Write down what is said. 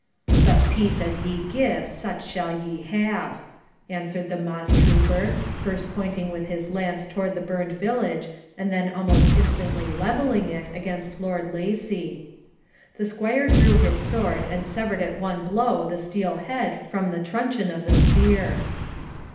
'Such peace as ye give such shall ye have,' answered the moss trooper, first pointing with his lance towards the burned village and then almost instantly levelling it against Lord Lacy. The squire drew his sword and severed at one blow the steel head from the truncheon of the spear.